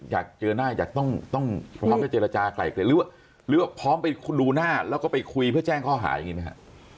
อยากเจอหน้าอยากต้องพร้อมจะเจรจากลายเกลียดหรือว่าพร้อมไปดูหน้าแล้วก็ไปคุยเพื่อแจ้งข้อหาอย่างนี้ไหมครับ